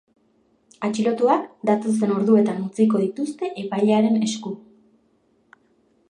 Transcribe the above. Atxilotuak datozen orduetan utziko dituzte epailearen esku.